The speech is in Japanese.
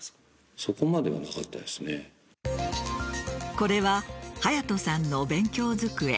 これは隼都さんの勉強机。